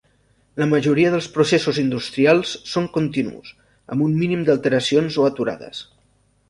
La majoria dels processos industrials són continus, amb un mínim d'alteracions o aturades.